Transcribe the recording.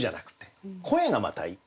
声がまたいい。